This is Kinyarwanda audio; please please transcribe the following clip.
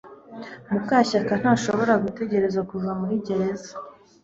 Mukashyakantashobora gutegereza kuva muri gereza